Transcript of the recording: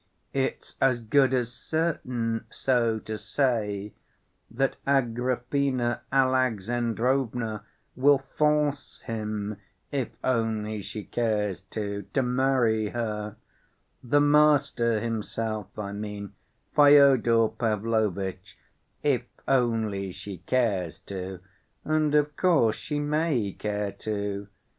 It's as good as certain, so to say, that Agrafena Alexandrovna will force him, if only she cares to, to marry her—the master himself, I mean, Fyodor Pavlovitch—if only she cares to, and of course she may care to.